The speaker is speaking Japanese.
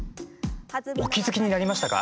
お気付きになりましたか？